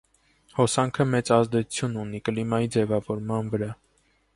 Հոսանքը մեծ ազդեցություն ունի կլիմայի ձևավորման վրա։